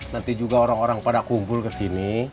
nanti juga orang orang pada kumpul ke sini